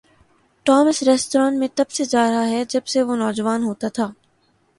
Tom اس ریستوران میں تب سے جا رہا ہے جب سے وہ نوجوان ہوتا تھا۔